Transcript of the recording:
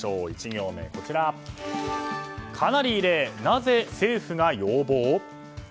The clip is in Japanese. １行目、かなり異例なぜ政府が要望？